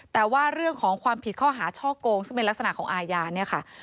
แต่ว่าเรื่องของความผิดข้อหาช่อโกงซึ่งเป็นลักษณะของอาญาเนี่ยค่ะ